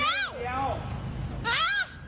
แล้วทำไมไม่เปิดไฟเลี้ยว